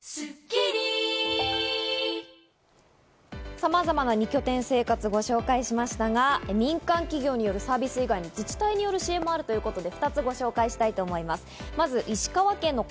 さまざまな二拠点生活をご紹介しましたが、民間企業によるサービス以外に自治体による支援もあるということで、２つご紹介したいと思います。